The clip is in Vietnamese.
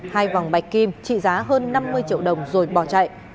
hai vòng bạch kim trị giá hơn năm mươi triệu đồng rồi bỏ chạy